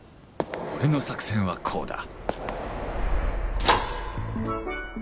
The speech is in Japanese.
俺の作戦はこうだ